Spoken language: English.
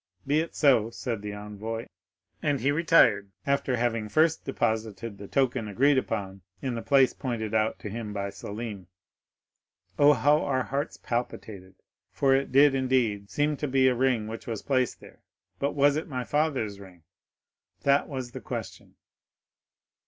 '—'Be it so,' said the envoy; and he retired, after having first deposited the token agreed on in the place pointed out to him by Selim. "Oh, how our hearts palpitated; for it did, indeed, seem to be a ring which was placed there. But was it my father's ring? that was the question.